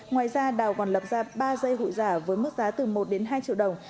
ngoài ra đào còn lập ra ba dây hụi giả với mức giá từ một đến hai triệu đồng